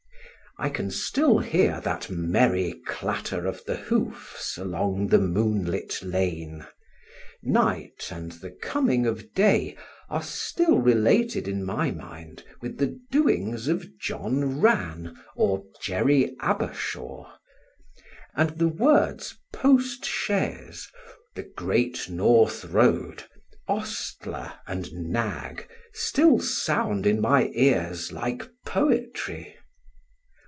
I can still hear that merry clatter of the hoofs along the moonlit lane; night and the coming of day are still related in my mind with the doings of John Rann or Jerry Abershaw; and the words "postchaise," the "great North road," "ostler," and "nag" still sound in my ears like poetry.